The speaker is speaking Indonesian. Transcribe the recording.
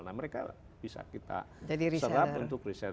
nah mereka bisa kita serap untuk riset